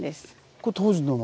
これ当時のまま？